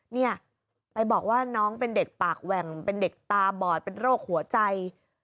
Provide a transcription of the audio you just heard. เนี่ยไปบอกว่าน้องเป็นเด็กปากแหว่งเป็นเด็กตาบอดเป็นโรคหัวใจ